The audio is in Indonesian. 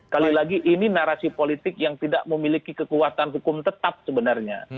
kali lagi ini narasi politik yang tidak memiliki kekuatan hukum tetap sebenarnya